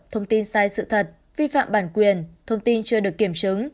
thông tin sai sự thật vi phạm bản quyền thông tin chưa được kiểm chứng